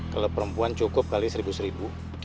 kalau perempuan cukup kali rp satu